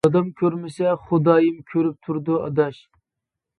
-دادام كۆرمىسە، خۇدايىم كۆرۈپ تۇرىدۇ ئاداش.